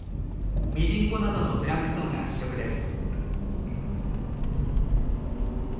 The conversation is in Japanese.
ミジンコなどのプランクトンが主食です。